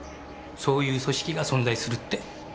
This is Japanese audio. そういう組織が存在するって。